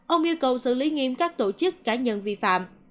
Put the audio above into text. ông yêu cầu xử lý nghiêm các tổ chức cá nhân vi phạm